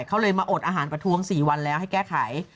เขาเลยมาอดอาหารประท้วง๔วันแล้วให้แก้ไข